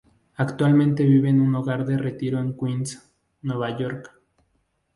Actualmente vive en un hogar de retiro en Queens, Nueva York.